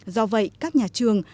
do vậy các nhà trường